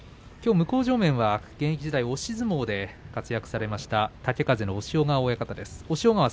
向正面は現役時代押し相撲で活躍されました豪風の押尾川親方です。